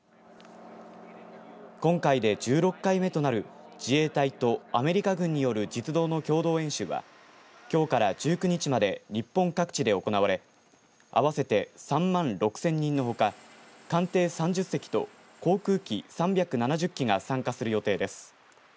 今回で１６回目となる自衛隊とアメリカ軍による実働の共同演習はきょうから１９日まで日本各地で行われ合わせて３万６０００人のほか艦艇３０隻と航空機３７０機が参加する予定です。